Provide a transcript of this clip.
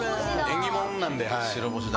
縁起もんなんではい。